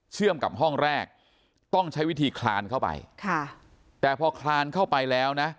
กับห้องแรกต้องใช้วิธีคลานเข้าไปค่ะแต่พอคลานเข้าไปแล้วนะ